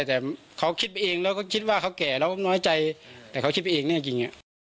แต่เขาคิดไปเองแล้วก็คิดว่าเขาแก่แล้วน้อยใจแต่เขาคิดไปเองแน่จริงอ่ะ